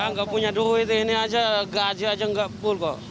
enggak punya duit ini aja gaji aja enggak pul kok